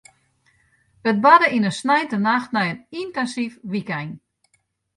It barde yn in sneintenacht nei in yntinsyf wykein.